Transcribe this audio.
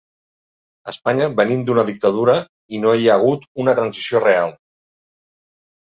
A Espanya venim d’una dictadura i no hi ha hagut una transició real.